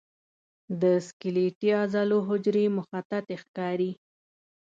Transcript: د سکلیټي عضلو حجرې مخططې ښکاري.